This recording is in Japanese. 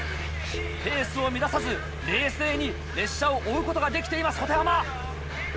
ペースを乱さず冷静に列車を追うことができています保手濱。